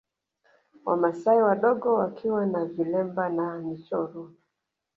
Wamasai wadogo wakiwa na vilemba na michoro